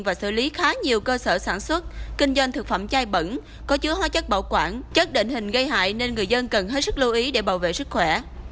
và xử lý khá nhiều cơ sở sản xuất kinh doanh thực phẩm chai bẩn có chứa hóa chất bảo quản chất định hình gây hại nên người dân cần hết sức lưu ý để bảo vệ sức khỏe